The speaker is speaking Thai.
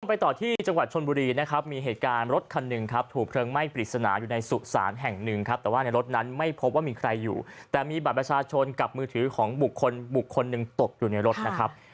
ไปต่อที่จังหวัดชนบุรีนะครับมีเหตุการณ์รถคันหนึ่งครับถูกเพลิงไหม้ปริศนาอยู่ในสุสานแห่งหนึ่งครับแต่ว่าในรถนั้นไม่พบว่ามีใครอยู่แต่มีบัตรประชาชนกับมือถือของบุคคลบุคคลหนึ่งตกอยู่ในรถนะครับ